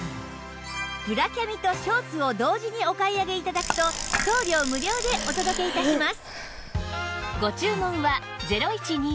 ブラキャミとショーツを同時にお買い上げ頂くと送料無料でお届け致します